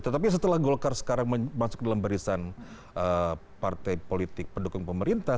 tetapi setelah golkar sekarang masuk dalam barisan partai politik pendukung pemerintah